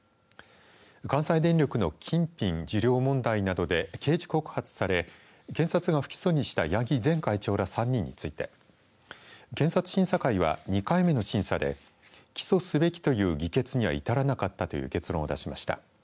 関西電力の金品受領問題などで刑事告発され検察が不起訴にした八木前会長ら３人について検察審査会は２回目の審査で起訴すべきという議決には至らなかったという結論を出しました。